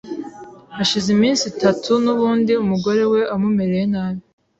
hashize iminsi itatu n’ubundi umugore we amumereye nabi